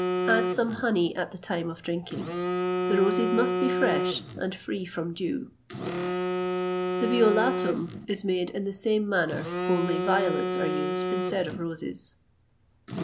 Add some honey at the time of drinking. The roses must be fresh, and free from dew."[XXVIII 128] The Violatum is made in the same manner, only violets are used instead of roses.